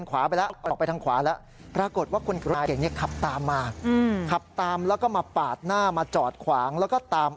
ก็เอานู้นสวนมาเท่านี้สวนไปจะเห็นหน้ากัน